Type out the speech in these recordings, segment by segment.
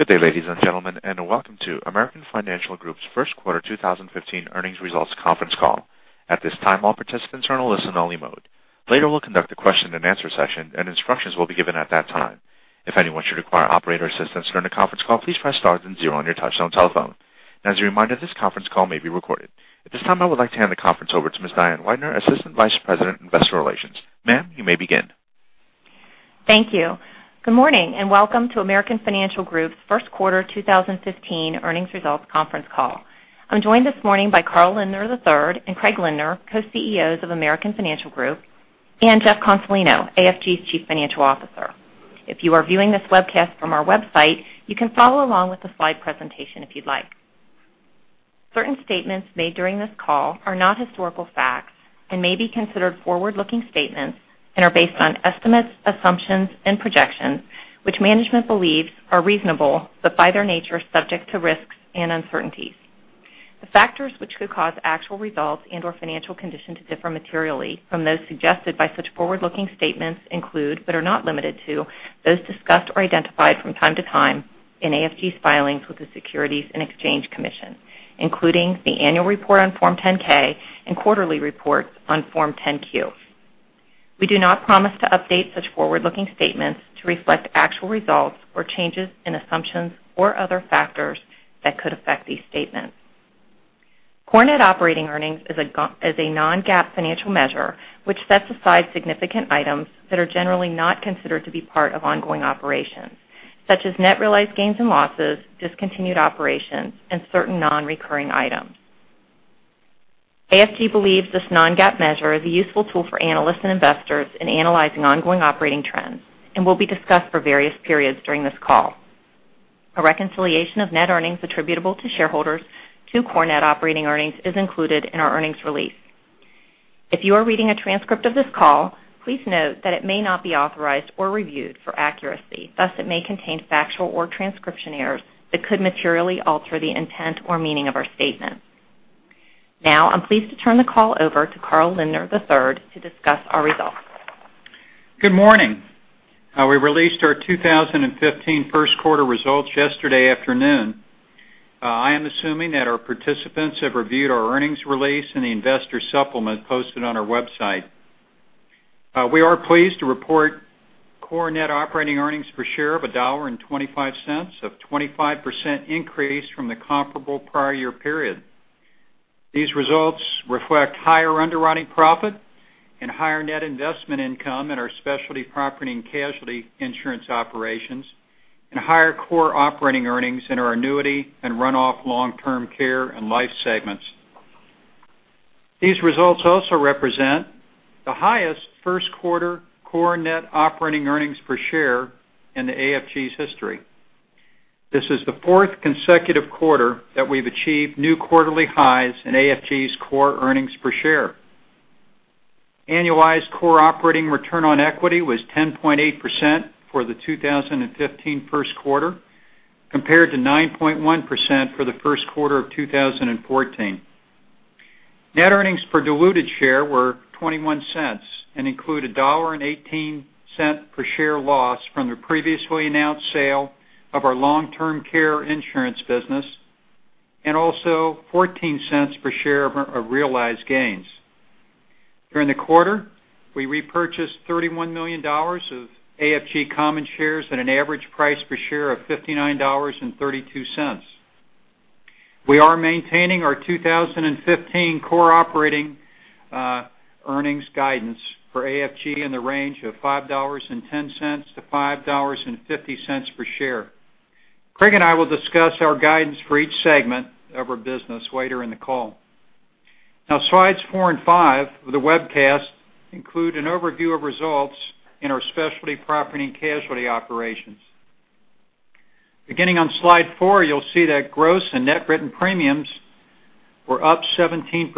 Good day, ladies and gentlemen, and welcome to American Financial Group's first quarter 2015 earnings results conference call. At this time, all participants are in listen only mode. Later, we'll conduct a question and answer session, and instructions will be given at that time. If anyone should require operator assistance during the conference call, please press star then zero on your touchtone telephone. As a reminder, this conference call may be recorded. At this time, I would like to hand the conference over to Ms. Diane Weidner, Assistant Vice President, Investor Relations. Ma'am, you may begin. Thank you. Good morning, and welcome to American Financial Group's first quarter 2015 earnings results conference call. I'm joined this morning by Carl Lindner III and Craig Lindner, Co-CEOs of American Financial Group, and Jeff Consolino, AFG's Chief Financial Officer. If you are viewing this webcast from our website, you can follow along with the slide presentation if you'd like. Certain statements made during this call are not historical facts and may be considered forward-looking statements and are based on estimates, assumptions and projections, which management believes are reasonable, but by their nature, subject to risks and uncertainties. The factors which could cause actual results and/or financial conditions to differ materially from those suggested by such forward-looking statements include, but are not limited to, those discussed or identified from time to time in AFG's filings with the Securities and Exchange Commission, including the annual report on Form 10-K and quarterly reports on Form 10-Q. We do not promise to update such forward-looking statements to reflect actual results or changes in assumptions or other factors that could affect these statements. Core net operating earnings is a non-GAAP financial measure which sets aside significant items that are generally not considered to be part of ongoing operations, such as net realized gains and losses, discontinued operations, and certain non-recurring items. AFG believes this non-GAAP measure is a useful tool for analysts and investors in analyzing ongoing operating trends and will be discussed for various periods during this call. A reconciliation of net earnings attributable to shareholders to core net operating earnings is included in our earnings release. If you are reading a transcript of this call, please note that it may not be authorized or reviewed for accuracy. Thus, it may contain factual or transcription errors that could materially alter the intent or meaning of our statement. Now, I'm pleased to turn the call over to Carl Lindner III to discuss our results. Good morning. We released our 2015 first quarter results yesterday afternoon. I am assuming that our participants have reviewed our earnings release and the investor supplement posted on our website. We are pleased to report core net operating earnings per share of $1.25, a 25% increase from the comparable prior year period. These results reflect higher underwriting profit and higher net investment income in our Specialty Property and Casualty insurance operations and higher core operating earnings in our annuity and run-off long-term care and life segments. These results also represent the highest first quarter core net operating earnings per share in AFG's history. This is the fourth consecutive quarter that we've achieved new quarterly highs in AFG's core earnings per share. Annualized core operating return on equity was 10.8% for the 2015 first quarter, compared to 9.1% for the first quarter of 2014. Net earnings per diluted share were $0.21 and include a $1.18 per share loss from the previously announced sale of our long-term care insurance business and also $0.14 per share of realized gains. During the quarter, we repurchased $31 million of AFG common shares at an average price per share of $59.32. We are maintaining our 2015 core operating earnings guidance for AFG in the range of $5.10-$5.50 per share. Craig and I will discuss our guidance for each segment of our business later in the call. Slides four and five of the webcast include an overview of results in our Specialty Property and Casualty operations. Beginning on slide four, you'll see that gross and net written premiums were up 17%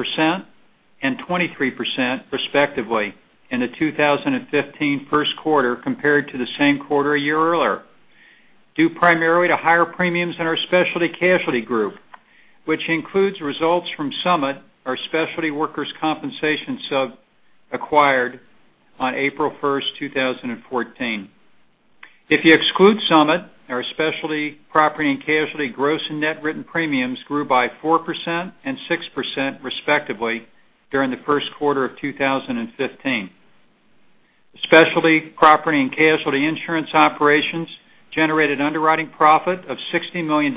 and 23% respectively in the 2015 first quarter, compared to the same quarter a year earlier, due primarily to higher premiums in our specialty casualty group, which includes results from Summit, our specialty workers' compensation sub, acquired on April 1, 2014. If you exclude Summit, our Specialty Property and Casualty gross and net written premiums grew by 4% and 6% respectively during the first quarter of 2015. Specialty Property and Casualty insurance operations generated underwriting profit of $60 million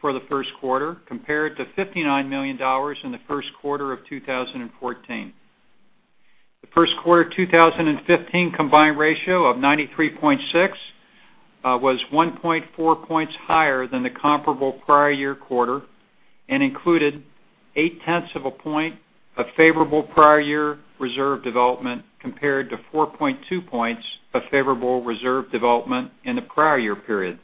for the first quarter, compared to $59 million in the first quarter of 2014. The first quarter 2015 combined ratio of 93.6 was 1.4 points higher than the comparable prior year quarter and included 0.8 points of favorable prior year reserve development compared to 4.2 points of favorable reserve development in the prior year period.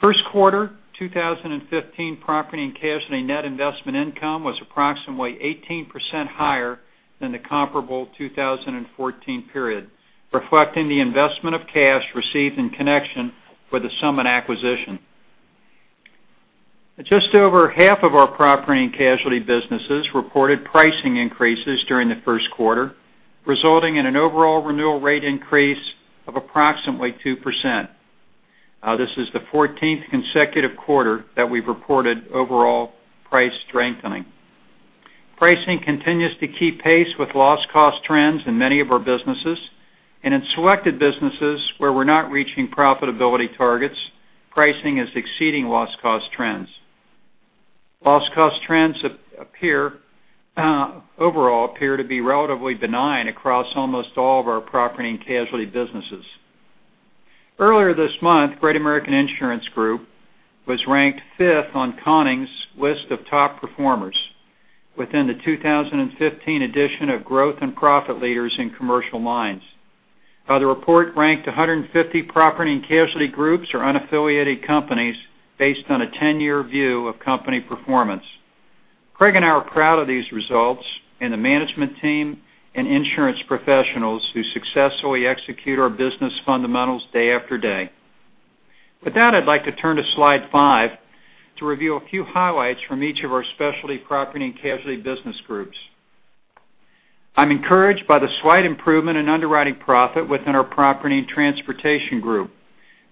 First quarter 2015 property and casualty net investment income was approximately 18% higher than the comparable 2014 period, reflecting the investment of cash received in connection with the Summit acquisition. Just over half of our property and casualty businesses reported pricing increases during the first quarter, resulting in an overall renewal rate increase of approximately 2%. This is the 14th consecutive quarter that we've reported overall price strengthening. Pricing continues to keep pace with loss cost trends in many of our businesses. In selected businesses where we're not reaching profitability targets, pricing is exceeding loss cost trends. Loss cost trends overall appear to be relatively benign across almost all of our property and casualty businesses. Earlier this month, Great American Insurance Group was ranked fifth on Conning's list of top performers within the 2015 edition of Growth and Profit Leaders in Commercial Lines. The report ranked 150 property and casualty groups or unaffiliated companies based on a 10-year view of company performance. Craig and I are proud of these results and the management team and insurance professionals who successfully execute our business fundamentals day after day. With that, I'd like to turn to Slide five to review a few highlights from each of our Specialty Property and Casualty business groups. I'm encouraged by the slight improvement in underwriting profit within our property and transportation group,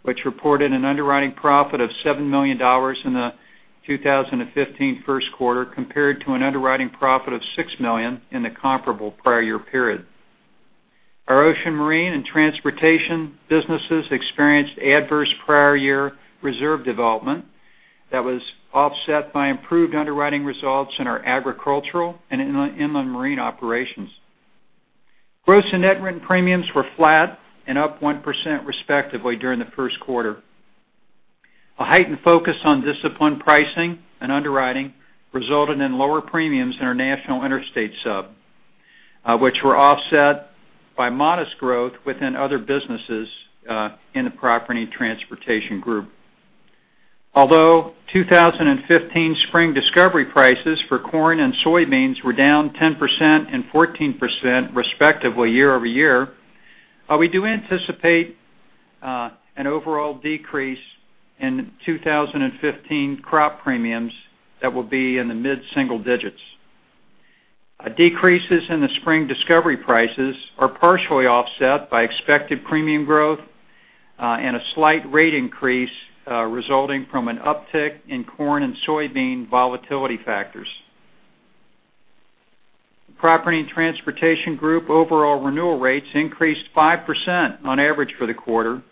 which reported an underwriting profit of $7 million in the 2015 first quarter, compared to an underwriting profit of $6 million in the comparable prior year period. Our ocean marine and transportation businesses experienced adverse prior year reserve development that was offset by improved underwriting results in our agricultural and inland marine operations. Gross and net written premiums were flat and up 1% respectively during the first quarter. A heightened focus on disciplined pricing and underwriting resulted in lower premiums in our National Interstate sub, which were offset by modest growth within other businesses in the property and transportation group. Although 2015 spring discovery prices for corn and soybeans were down 10% and 14% respectively year-over-year, we do anticipate an overall decrease in 2015 crop premiums that will be in the mid-single digits. Decreases in the spring discovery prices are partially offset by expected premium growth and a slight rate increase resulting from an uptick in corn and soybean volatility factors. The property and transportation group overall renewal rates increased 5% on average for the quarter,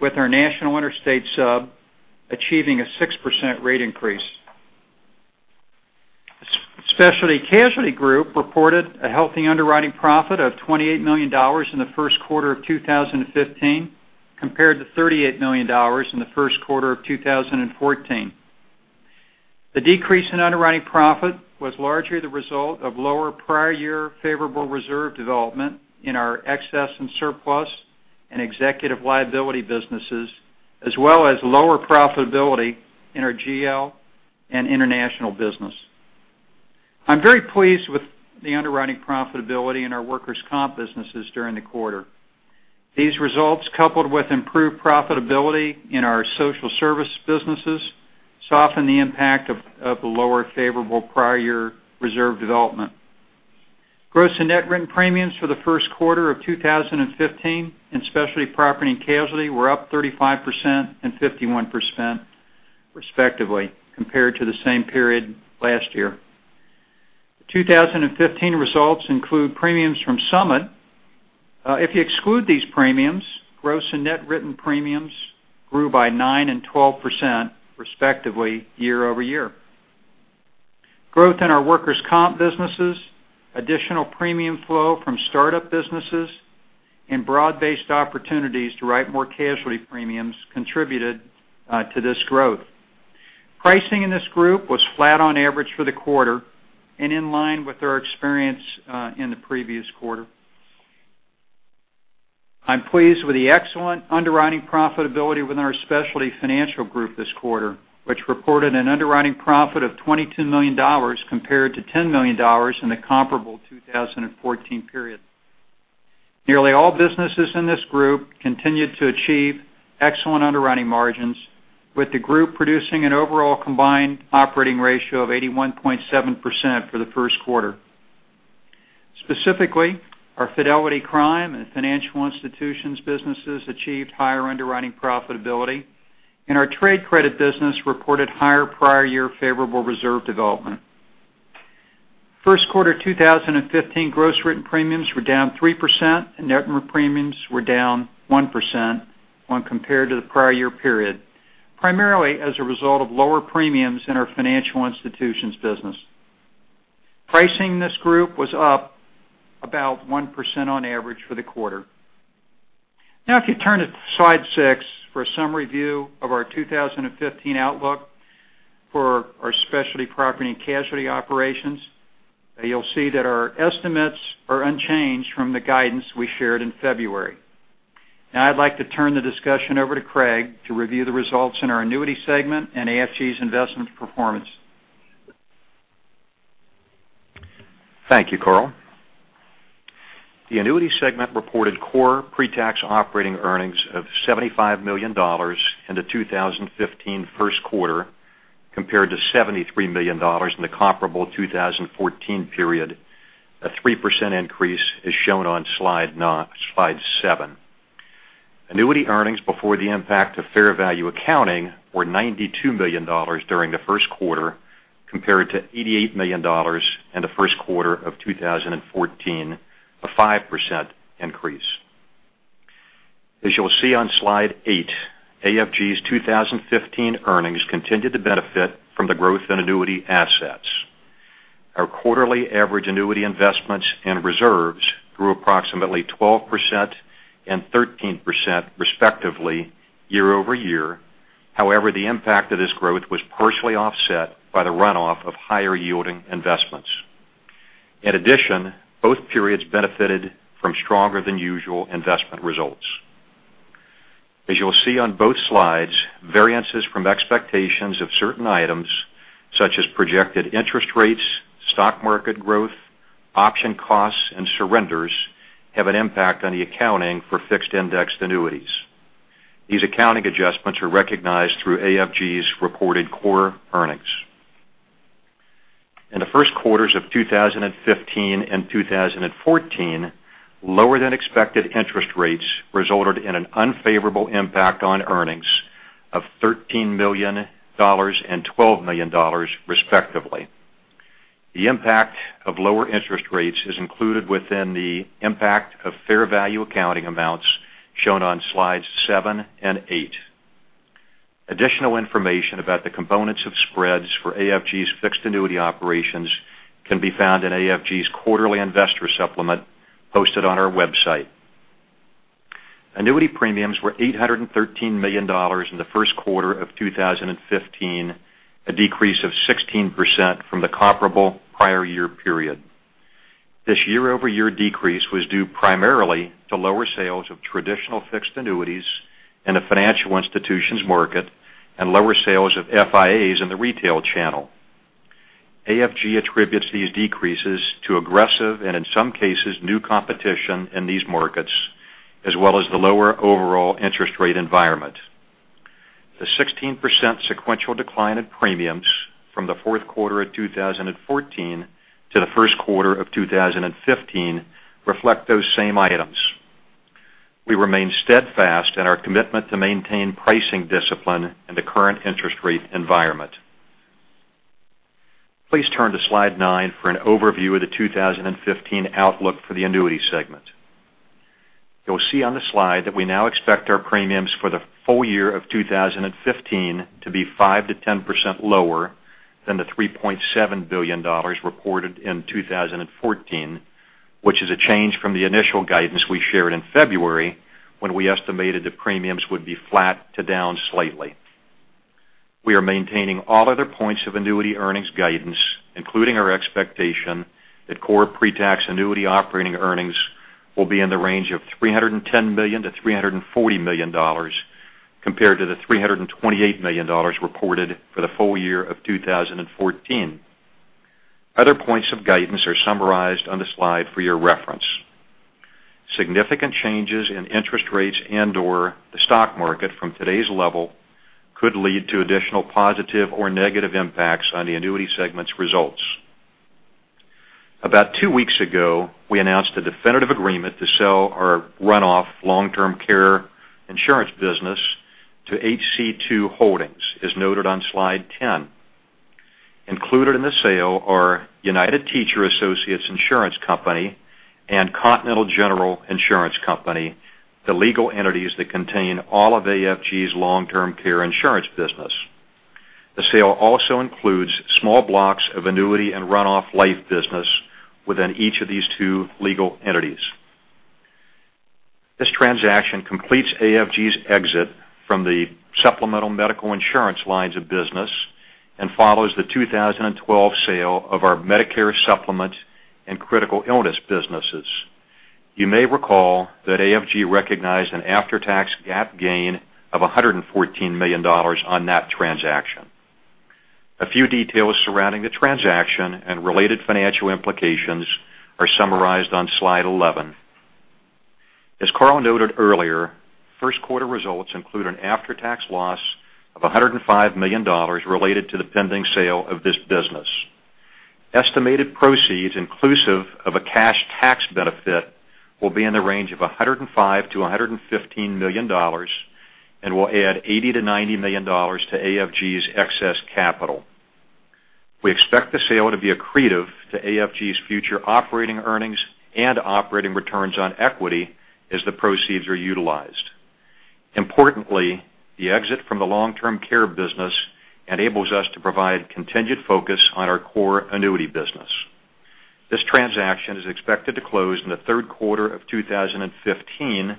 with our National Interstate sub achieving a 6% rate increase. Specialty casualty group reported a healthy underwriting profit of $28 million in the first quarter of 2015, compared to $38 million in the first quarter of 2014. The decrease in underwriting profit was largely the result of lower prior year favorable reserve development in our excess and surplus and executive liability businesses, as well as lower profitability in our GL and international business. I'm very pleased with the underwriting profitability in our workers' comp businesses during the quarter. These results, coupled with improved profitability in our social service businesses, soften the impact of the lower favorable prior year reserve development. Gross and net written premiums for the first quarter of 2015 in Specialty Property and Casualty were up 35% and 51% respectively, compared to the same period last year. The 2015 results include premiums from Summit. If you exclude these premiums, gross and net written premiums grew by 9% and 12% respectively year-over-year. Growth in our workers' comp businesses, additional premium flow from startup businesses, and broad based opportunities to write more casualty premiums contributed to this growth. Pricing in this group was flat on average for the quarter and in line with our experience in the previous quarter. I'm pleased with the excellent underwriting profitability within our specialty financial group this quarter, which reported an underwriting profit of $22 million compared to $10 million in the comparable 2014 period. Nearly all businesses in this group continued to achieve excellent underwriting margins, with the group producing an overall combined ratio of 81.7% for the first quarter. Specifically, our fidelity crime and financial institutions businesses achieved higher underwriting profitability, and our trade credit business reported higher prior year favorable reserve development. First quarter 2015 gross written premiums were down 3%, and net written premiums were down 1% when compared to the prior year period, primarily as a result of lower premiums in our financial institutions business. Pricing this group was up about 1% on average for the quarter. If you turn to Slide 6 for a summary view of our 2015 outlook for our Specialty Property and Casualty operations, you'll see that our estimates are unchanged from the guidance we shared in February. I'd like to turn the discussion over to Craig to review the results in our annuity segment and AFG's investment performance. Thank you, Carl. The annuity segment reported core pre-tax operating earnings of $75 million in the 2015 first quarter, compared to $73 million in the comparable 2014 period. A 3% increase is shown on slide seven. Annuity earnings before the impact of fair value accounting were $92 million during the first quarter, compared to $88 million in the first quarter of 2014, a 5% increase. As you'll see on slide eight, AFG's 2015 earnings continued to benefit from the growth in annuity assets. Our quarterly average annuity investments and reserves grew approximately 12% and 13%, respectively, year-over-year. The impact of this growth was partially offset by the runoff of higher yielding investments. Both periods benefited from stronger than usual investment results. You'll see on both slides, variances from expectations of certain items such as projected interest rates, stock market growth, option costs, and surrenders have an impact on the accounting for fixed indexed annuities. These accounting adjustments are recognized through AFG's reported core earnings. In the first quarters of 2015 and 2014, lower than expected interest rates resulted in an unfavorable impact on earnings of $13 million and $12 million, respectively. The impact of lower interest rates is included within the impact of fair value accounting amounts shown on slides seven and eight. Additional information about the components of spreads for AFG's fixed annuity operations can be found in AFG's quarterly investor supplement posted on our website. Annuity premiums were $813 million in the first quarter of 2015, a decrease of 16% from the comparable prior year period. This year-over-year decrease was due primarily to lower sales of traditional fixed annuities in the financial institutions market and lower sales of FIAs in the retail channel. AFG attributes these decreases to aggressive, and in some cases, new competition in these markets, as well as the lower overall interest rate environment. The 16% sequential decline in premiums from the fourth quarter of 2014 to the first quarter of 2015 reflect those same items. We remain steadfast in our commitment to maintain pricing discipline in the current interest rate environment. Please turn to slide nine for an overview of the 2015 outlook for the annuity segment. You will see on the slide that we now expect our premiums for the full year of 2015 to be 5%-10% lower than the $3.7 billion reported in 2014, which is a change from the initial guidance we shared in February, when we estimated the premiums would be flat to down slightly. We are maintaining all other points of annuity earnings guidance, including our expectation that core pre-tax annuity operating earnings will be in the range of $310 million-$340 million, compared to the $328 million reported for the full year of 2014. Other points of guidance are summarized on the slide for your reference. Significant changes in interest rates and/or the stock market from today's level could lead to additional positive or negative impacts on the annuity segment's results. About two weeks ago, we announced a definitive agreement to sell our runoff long-term care insurance business to HC2 Holdings, as noted on slide 10. Included in the sale are United Teacher Associates Insurance Company and Continental General Insurance Company, the legal entities that contain all of AFG's long-term care insurance business. The sale also includes small blocks of annuity and runoff life business within each of these two legal entities. This transaction completes AFG's exit from the supplemental medical insurance lines of business and follows the 2012 sale of our Medicare supplement and critical illness businesses. You may recall that AFG recognized an after-tax GAAP gain of $114 million on that transaction. A few details surrounding the transaction and related financial implications are summarized on slide 11. As Carl noted earlier, first quarter results include an after-tax loss of $105 million related to the pending sale of this business. Estimated proceeds, inclusive of a cash tax benefit, will be in the range of $105 million-$115 million and will add $80 million-$90 million to AFG's excess capital. We expect the sale to be accretive to AFG's future operating earnings and operating returns on equity as the proceeds are utilized. Importantly, the exit from the long-term care business enables us to provide contingent focus on our core annuity business. This transaction is expected to close in the third quarter of 2015,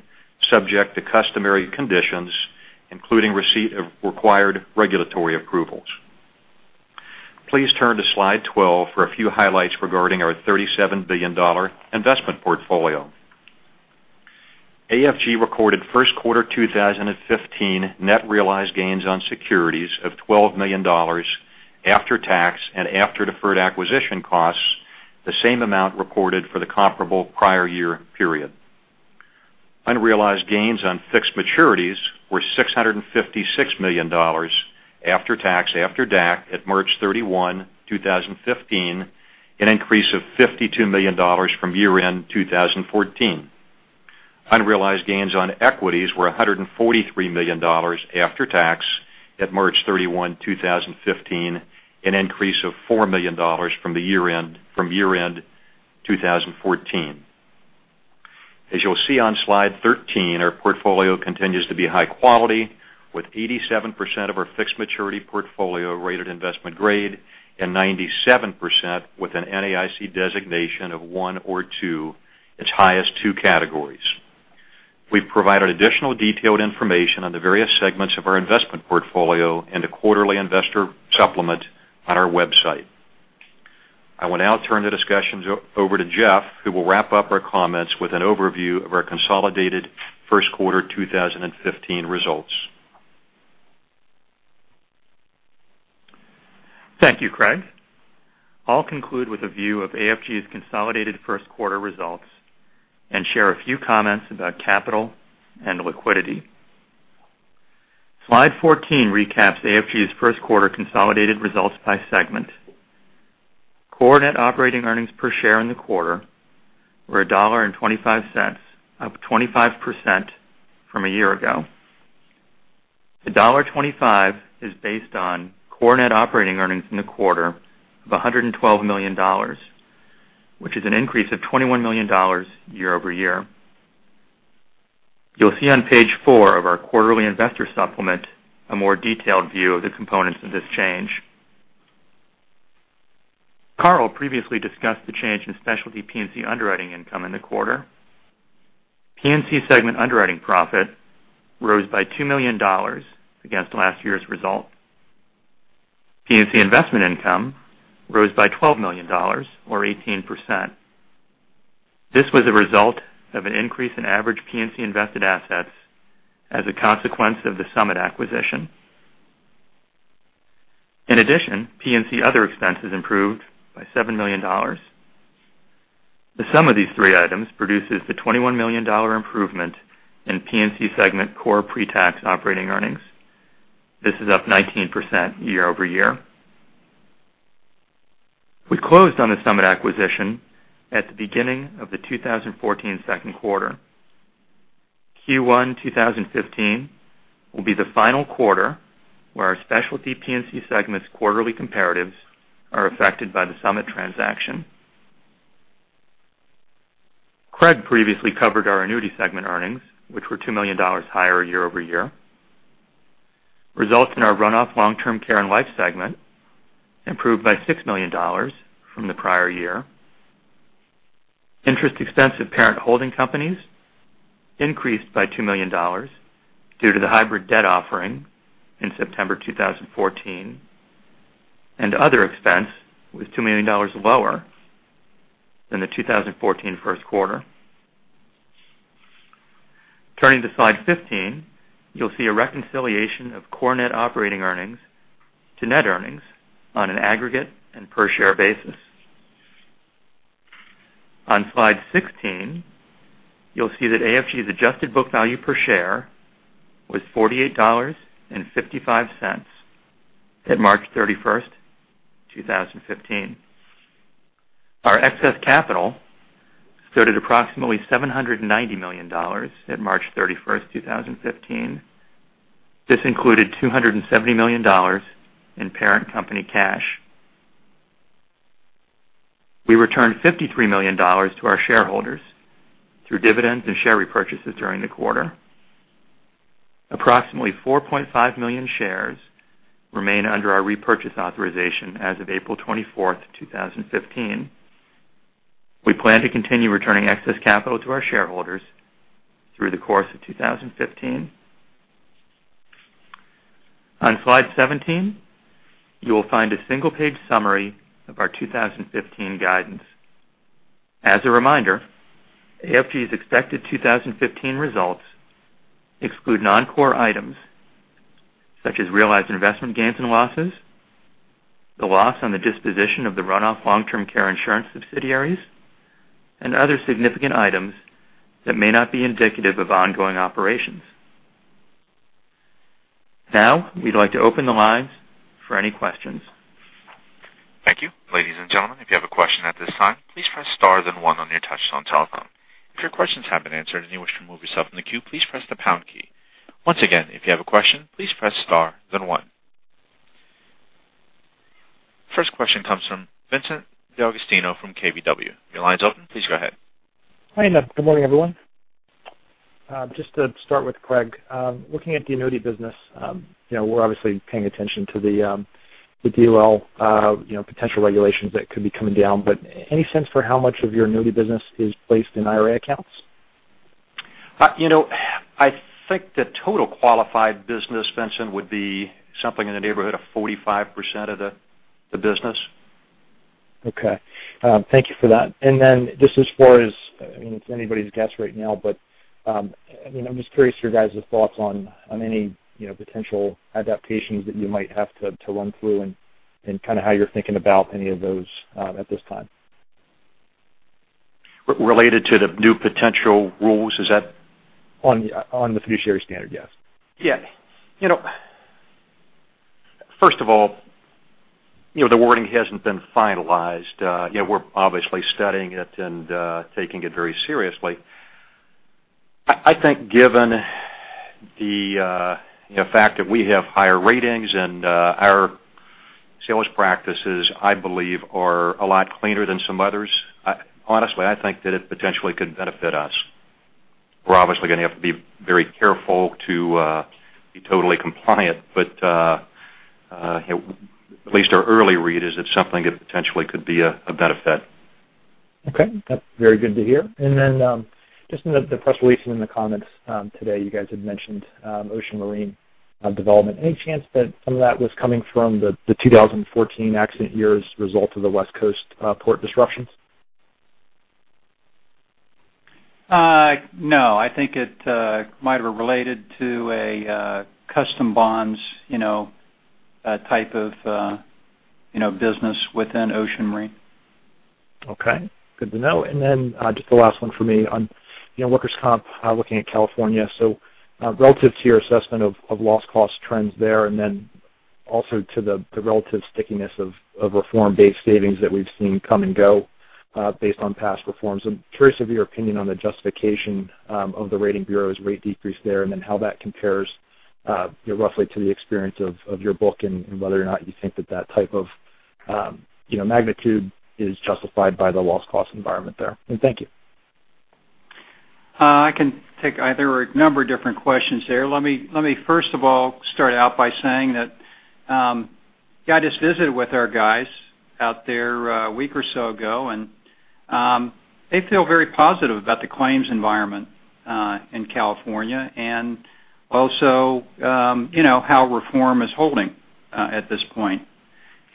subject to customary conditions, including receipt of required regulatory approvals. Please turn to slide 12 for a few highlights regarding our $37 billion investment portfolio. AFG recorded first quarter 2015 net realized gains on securities of $12 million after tax and after deferred acquisition costs, the same amount reported for the comparable prior year period. Unrealized gains on fixed maturities were $656 million after tax, after DAC at March 31, 2015, an increase of $52 million from year-end 2014. Unrealized gains on equities were $143 million after tax at March 31, 2015, an increase of $4 million from year-end 2014. As you'll see on slide 13, our portfolio continues to be high quality, with 87% of our fixed maturity portfolio rated investment grade and 97% with an NAIC designation of 1 or 2, its highest two categories. We've provided additional detailed information on the various segments of our investment portfolio and a quarterly investor supplement on our website. I will now turn the discussions over to Jeff, who will wrap up our comments with an overview of our consolidated first quarter 2015 results. Thank you, Craig. I'll conclude with a view of AFG's consolidated first quarter results and share a few comments about capital and liquidity. Slide 14 recaps AFG's first quarter consolidated results by segment. Core net operating earnings per share in the quarter were $1.25, up 25% from a year ago. The $1.25 is based on core net operating earnings in the quarter of $112 million, which is an increase of $21 million year-over-year. You'll see on page four of our quarterly investor supplement a more detailed view of the components of this change. Carl previously discussed the change in specialty P&C underwriting income in the quarter. P&C segment underwriting profit rose by $2 million against last year's result. P&C investment income rose by $12 million, or 18%. This was a result of an increase in average P&C invested assets as a consequence of the Summit acquisition. In addition, P&C other expenses improved by $7 million. The sum of these three items produces the $21 million improvement in P&C segment core pre-tax operating earnings. This is up 19% year-over-year. We closed on the Summit acquisition at the beginning of the 2014 second quarter. Q1 2015 will be the final quarter where our specialty P&C segment's quarterly comparatives are affected by the Summit transaction. Craig previously covered our annuity segment earnings, which were $2 million higher year-over-year. Results in our runoff long-term care and life segment improved by $6 million from the prior year. Interest expense of parent holding companies increased by $2 million due to the hybrid debt offering in September 2014, and other expense was $2 million lower than the 2014 first quarter. Turning to slide 15, you'll see a reconciliation of core net operating earnings to net earnings on an aggregate and per share basis. On slide 16, you'll see that AFG's adjusted book value per share was $48.55 at March 31st, 2015. Our excess capital stood at approximately $790 million at March 31st, 2015. This included $270 million in parent company cash. We returned $53 million to our shareholders through dividends and share repurchases during the quarter. Approximately 4.5 million shares remain under our repurchase authorization as of April 24th, 2015. We plan to continue returning excess capital to our shareholders through the course of 2015. On slide 17, you will find a single page summary of our 2015 guidance. As a reminder, AFG's expected 2015 results exclude non-core items such as realized investment gains and losses, the loss on the disposition of the runoff long-term care insurance subsidiaries, and other significant items that may not be indicative of ongoing operations. We'd like to open the lines for any questions. Thank you. Ladies and gentlemen, if you have a question at this time, please press star then one on your touchtone telephone. If your questions have been answered and you wish to remove yourself from the queue, please press the pound key. Once again, if you have a question, please press star then one. First question comes from Vincent D'Agostino from KBW. Your line is open. Please go ahead. Hi, good morning, everyone. Just to start with Craig, looking at the annuity business, we're obviously paying attention to the DOL potential regulations that could be coming down. Any sense for how much of your annuity business is placed in IRA accounts? I think the total qualified business, Vincent, would be something in the neighborhood of 45% of the business. Okay. Thank you for that. Then just as far as, it's anybody's guess right now, but I'm just curious your guys' thoughts on any potential adaptations that you might have to run through and how you're thinking about any of those at this time. Related to the new potential rules, is that? On the fiduciary standard, yes. Yeah. First of all, the wording hasn't been finalized. We're obviously studying it and taking it very seriously. I think given the fact that we have higher ratings and our sales practices, I believe, are a lot cleaner than some others, honestly, I think that it potentially could benefit us. We're obviously going to have to be very careful to be totally compliant, but at least our early read is it's something that potentially could be a benefit. Okay. That's very good to hear. Just in the press release and in the comments today, you guys had mentioned Ocean Marine development. Any chance that some of that was coming from the 2014 accident year as a result of the West Coast port disruptions? No, I think it might have related to a customs bonds type of business within Ocean Marine. Okay, good to know. Just the last one for me on workers' comp, looking at California. Relative to your assessment of loss cost trends there, also to the relative stickiness of reform-based savings that we've seen come and go based on past reforms, I'm curious of your opinion on the justification of the rating bureau's rate decrease there, how that compares roughly to the experience of your book and whether or not you think that type of magnitude is justified by the loss cost environment there. Thank you. There were a number of different questions there. Let me first of all start out by saying that I just visited with our guys out there a week or so ago, and they feel very positive about the claims environment in California and also how reform is holding at this point.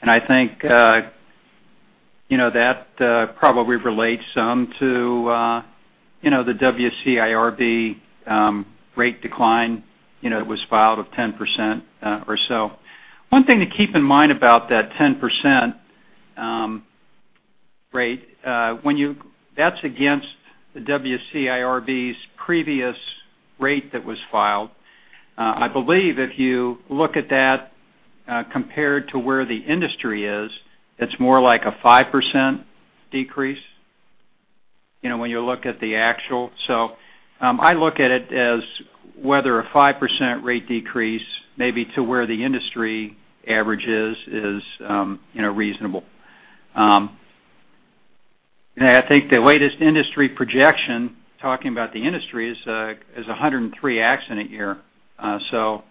I think that probably relates some to the WCIRB rate decline that was filed of 10% or so. One thing to keep in mind about that 10% rate, that's against the WCIRB's previous rate that was filed. I believe if you look at that compared to where the industry is, it's more like a 5% decrease, when you look at the actual. I look at it as whether a 5% rate decrease may be to where the industry average is reasonable. I think the latest industry projection, talking about the industry, is 103 accident year. Still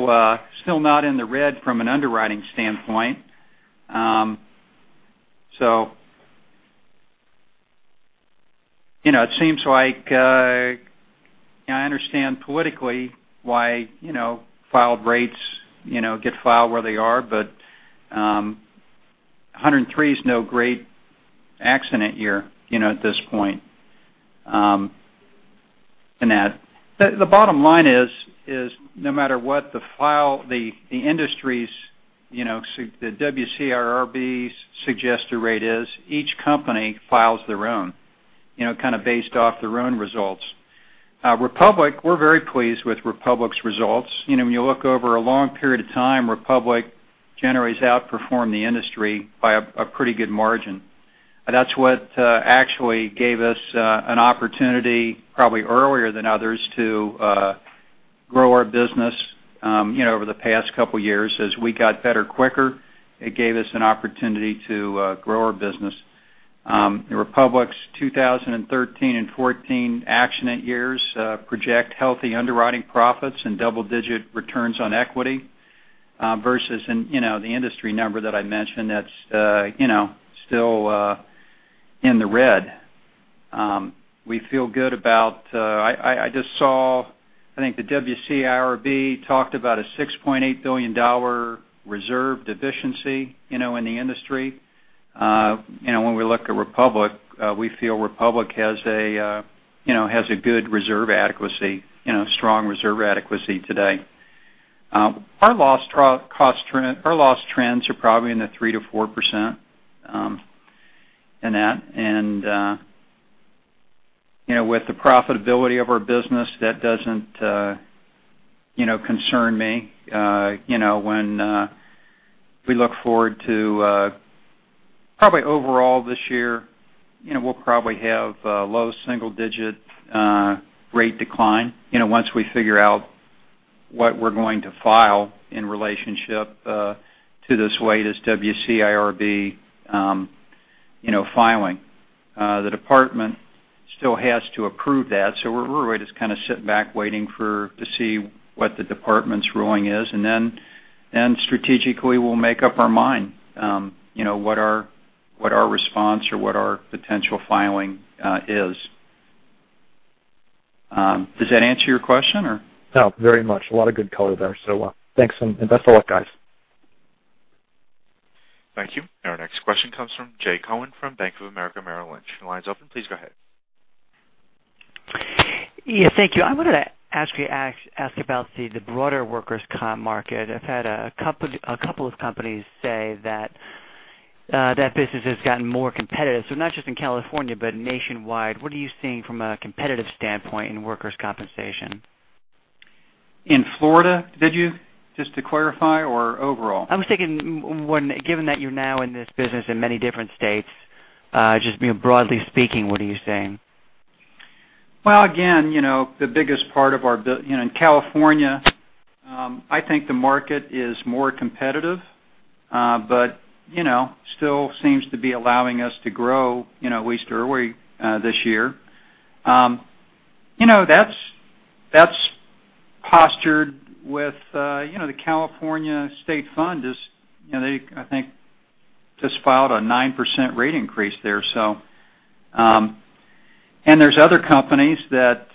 not in the red from an underwriting standpoint. It seems like I understand politically why filed rates get filed where they are, but 103 is no great accident year at this point. The bottom line is no matter what the industry's, the WCIRB's suggested rate is, each company files their own, kind of based off their own results. Republic, we're very pleased with Republic's results. When you look over a long period of time, Republic generally has outperformed the industry by a pretty good margin. That's what actually gave us an opportunity, probably earlier than others, to grow our business over the past couple of years. As we got better quicker, it gave us an opportunity to grow our business. Republic's 2013 and 2014 accident years project healthy underwriting profits and double-digit returns on equity versus the industry number that I mentioned that's still in the red. I just saw, I think the WCIRB talked about a $6.8 billion reserve deficiency in the industry. When we look at Republic, we feel Republic has a good reserve adequacy, strong reserve adequacy today. Our loss trends are probably in the 3%-4% in that. With the profitability of our business, that doesn't concern me. When we look forward to probably overall this year, we'll probably have low single-digit rate decline once we figure out what we're going to file in relationship to this latest WCIRB filing. The Department still has to approve that. We're just kind of sitting back waiting to see what the Department's ruling is. Strategically, we'll make up our mind what our response or what our potential filing is. Does that answer your question? Very much. A lot of good color there. Thanks, and best of luck, guys. Thank you. Our next question comes from Jay Cohen from Bank of America Merrill Lynch. Your line's open. Please go ahead. Yeah, thank you. I wanted to actually ask about the broader workers' comp market. I've had a couple of companies say that that business has gotten more competitive, not just in California, but nationwide. What are you seeing from a competitive standpoint in workers' compensation? In Florida, did you? Just to clarify, or overall? I was thinking given that you're now in this business in many different states, just broadly speaking, what are you seeing? Well, again, in California, I think the market is more competitive. Still seems to be allowing us to grow, at least early this year. That's postured with the California State Fund. They, I think, just filed a 9% rate increase there. There's other companies that,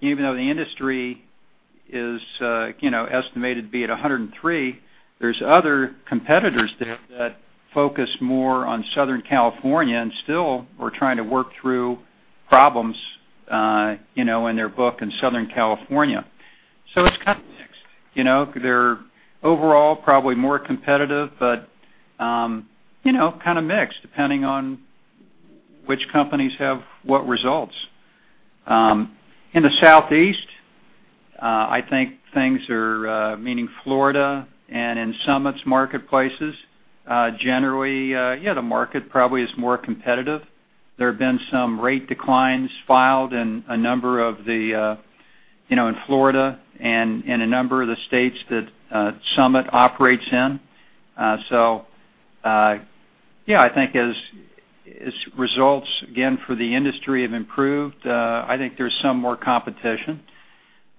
even though the industry is estimated to be at 103, there's other competitors there that focus more on Southern California and still are trying to work through problems in their book in Southern California. It's kind of mixed. They're overall probably more competitive, but kind of mixed depending on which companies have what results. In the Southeast, meaning Florida and in Summit's marketplaces, generally yeah, the market probably is more competitive. There have been some rate declines filed in Florida and in a number of the states that Summit operates in. I think as results, again, for the industry have improved, I think there's some more competition.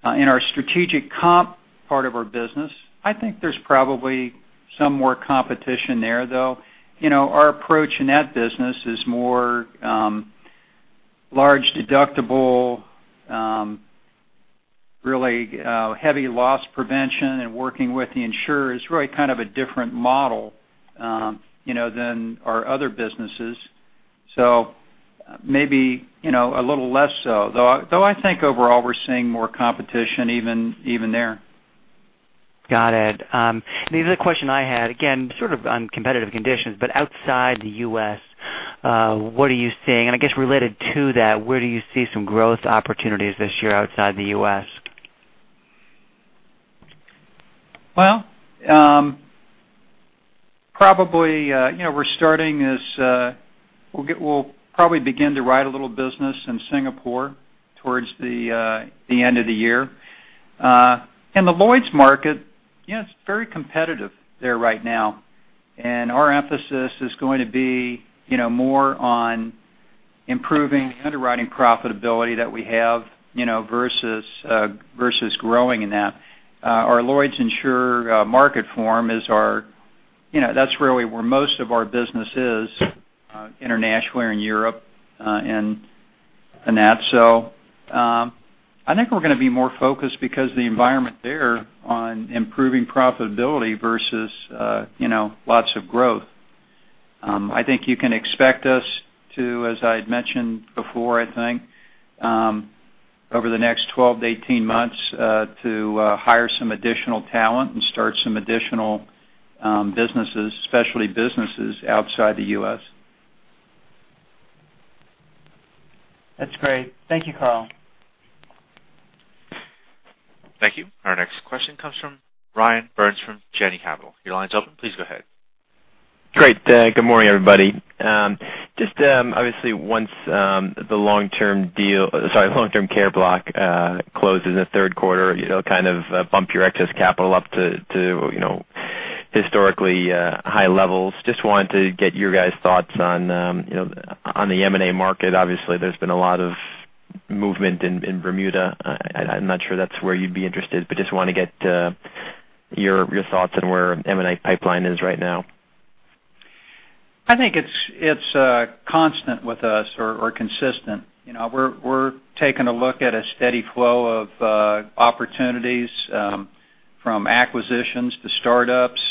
In our Strategic Comp part of our business, I think there's probably some more competition there, though our approach in that business is more large deductible, really heavy loss prevention and working with the insurer is really kind of a different model than our other businesses. Maybe a little less so. I think overall we're seeing more competition even there. Got it. The other question I had, again, sort of on competitive conditions, but outside the U.S., what are you seeing? I guess related to that, where do you see some growth opportunities this year outside the U.S.? We'll probably begin to write a little business in Singapore towards the end of the year. In the Lloyd's market, it's very competitive there right now, our emphasis is going to be more on improving the underwriting profitability that we have versus growing in that. Our Lloyd's insurer Marketform, that's really where most of our business is internationally or in Europe and that. I think we're going to be more focused because the environment there on improving profitability versus lots of growth. I think you can expect us to, as I had mentioned before, I think, over the next 12 to 18 months to hire some additional talent and start some additional businesses, especially businesses outside the U.S. That's great. Thank you, Carl. Thank you. Our next question comes from Ryan Burns from Janney Capital. Your line's open. Please go ahead. Great. Good morning, everybody. Just obviously once the long-term care block closes in the third quarter, it'll kind of bump your excess capital up to historically high levels. Just wanted to get your guys' thoughts on the M&A market. Obviously, there's been a lot of movement in Bermuda. I'm not sure that's where you'd be interested, but just want to get your thoughts on where M&A pipeline is right now. I think it's constant with us or consistent. We're taking a look at a steady flow of opportunities from acquisitions to startups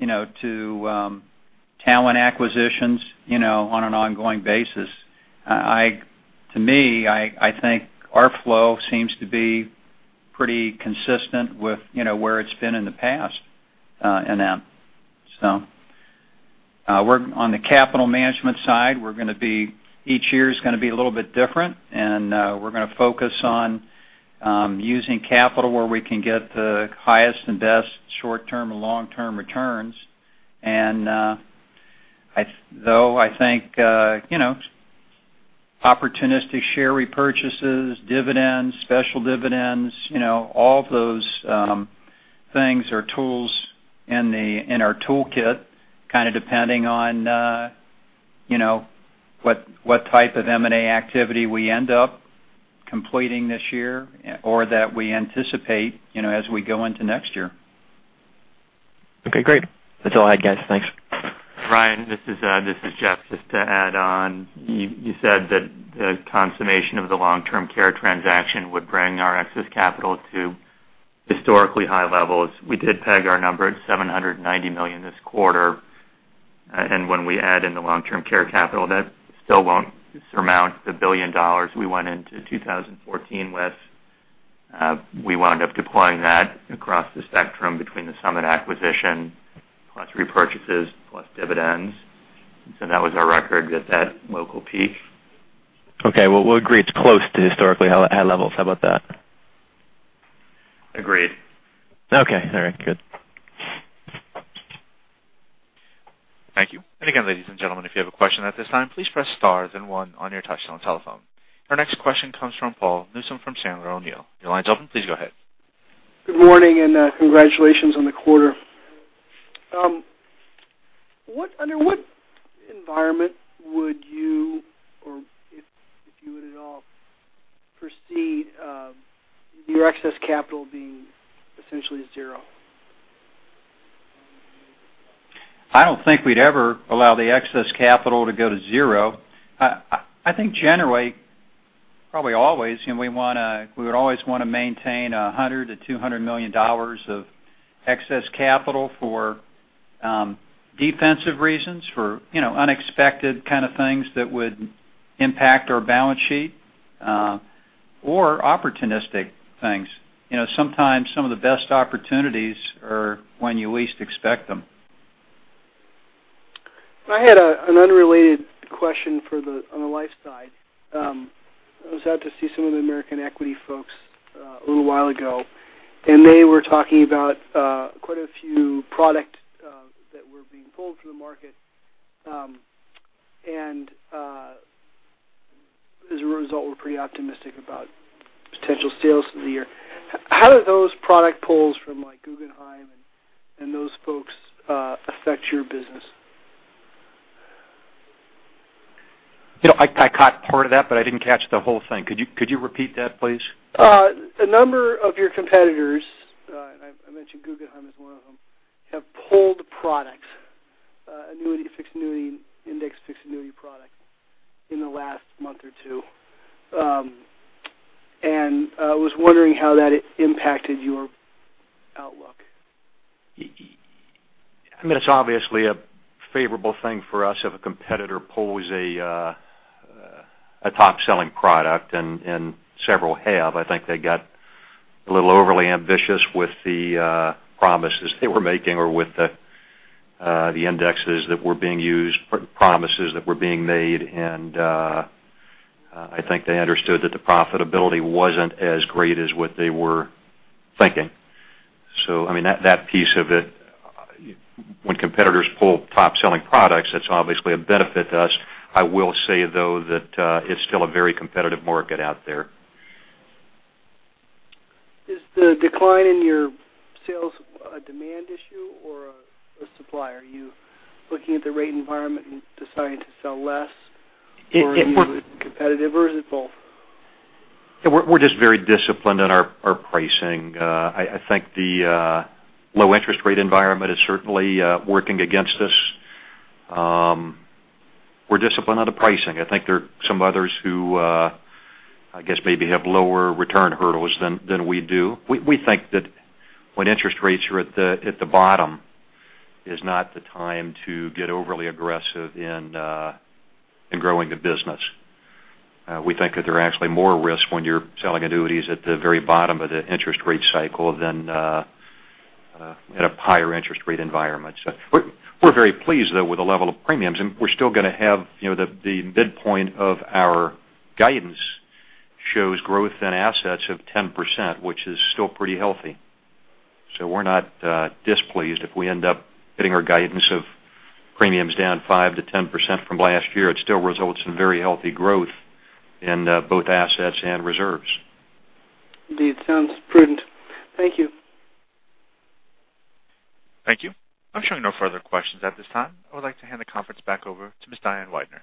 to talent acquisitions on an ongoing basis. To me, I think our flow seems to be pretty consistent with where it's been in the past in that. On the capital management side, each year is going to be a little bit different, and we're going to focus on using capital where we can get the highest and best short-term or long-term returns. Though I think opportunistic share repurchases, dividends, special dividends, all those things are tools in our toolkit, kind of depending on what type of M&A activity we end up completing this year or that we anticipate as we go into next year. Okay, great. That's all I had, guys. Thanks. Ryan, this is Jeff. Just to add on, you said that the consummation of the long-term care transaction would bring our excess capital to historically high levels. We did peg our number at $790 million this quarter. When we add in the long-term care capital, that still won't surmount the $1 billion we went into 2014 with. We wound up deploying that across the spectrum between the Summit acquisition, plus repurchases, plus dividends. That was our record at that local peak. Okay. Well, we'll agree it's close to historically high levels. How about that? Agreed. Okay. All right, good. Thank you. Again, ladies and gentlemen, if you have a question at this time, please press star then one on your touchtone telephone. Our next question comes from Paul Newsome from Sandler O'Neill. Your line's open. Please go ahead. Good morning. Congratulations on the quarter. Under what environment would you, or if you would at all, foresee your excess capital being essentially zero? I don't think we'd ever allow the excess capital to go to zero. I think generally, probably always, we would always want to maintain $100 million-$200 million of excess capital for defensive reasons, for unexpected kind of things that would impact our balance sheet, or opportunistic things. Sometimes some of the best opportunities are when you least expect them. I had an unrelated question on the life side. I was out to see some of the American Equity folks a little while ago. They were talking about quite a few product that were being pulled from the market. As a result, we're pretty optimistic about potential sales through the year. How do those product pulls from Guggenheim and those folks affect your business? I caught part of that. I didn't catch the whole thing. Could you repeat that, please? A number of your competitors, I mentioned Guggenheim is one of them, have pulled products, fixed annuity index, fixed annuity product, in the last month or two. I was wondering how that impacted your outlook. I mean, it's obviously a favorable thing for us if a competitor pulls a top-selling product and several have. I think they got a little overly ambitious with the promises they were making or with the indexes that were being used, promises that were being made, and I think they understood that the profitability wasn't as great as what they were thinking. I mean, that piece of it, when competitors pull top-selling products, that's obviously a benefit to us. I will say, though, that it's still a very competitive market out there. Is the decline in your sales a demand issue or a supply? Are you looking at the rate environment and deciding to sell less or are you competitive, or is it both? We're just very disciplined in our pricing. I think the low interest rate environment is certainly working against us. We're disciplined on the pricing. I think there are some others who, I guess, maybe have lower return hurdles than we do. We think that when interest rates are at the bottom is not the time to get overly aggressive in growing a business. We think that there are actually more risks when you're selling annuities at the very bottom of the interest rate cycle than at a higher interest rate environment. We're very pleased, though, with the level of premiums, and we're still going to have the midpoint of our guidance shows growth in assets of 10%, which is still pretty healthy. We're not displeased if we end up hitting our guidance of premiums down 5%-10% from last year. It still results in very healthy growth in both assets and reserves. Indeed. Sounds prudent. Thank you. Thank you. I'm showing no further questions at this time. I would like to hand the conference back over to Ms. Diane Weidner.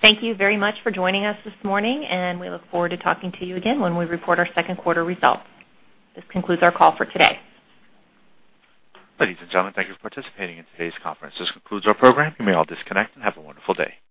Thank you very much for joining us this morning, and we look forward to talking to you again when we report our second quarter results. This concludes our call for today. Ladies and gentlemen, thank you for participating in today's conference. This concludes our program. You may all disconnect, and have a wonderful day.